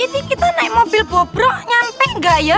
ini kita naik mobil bobro nyampe gak ya